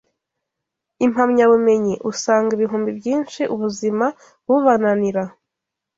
impamyabumenyi, usanga ibihumbi byinshi ubuzima bubananira